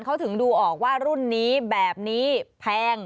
แล้วเขาบอกว่ารุ่นนี้แบบนี้แพง